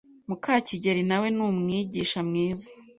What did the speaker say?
Mukakigali nawe ni umwigisha mwiza.